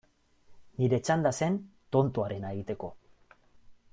Nire txanda zen tontoarena egiteko.